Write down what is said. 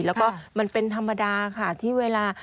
แล้วก็มันเป็นธรรมดาค่ะที่เวลา